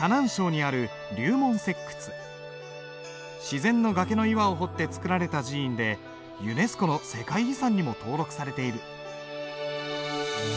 自然の崖の岩を掘って造られた寺院でユネスコの世界遺産にも登録されている。